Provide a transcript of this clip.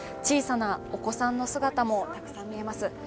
小さなお子さんの姿も、たくさん見えます。